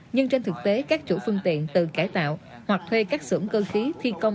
nhưng trên thực tế các chủ phương tiện tự cải tạo hoặc thuê các xưởng cơ khí thi công